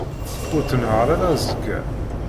Ur tnehheṛ ara azekka.